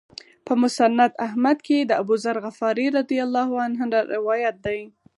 په مسند احمد کې د أبوذر غفاري رضی الله عنه نه روایت دی.